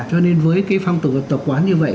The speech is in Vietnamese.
cho nên với phong tục tập quán như vậy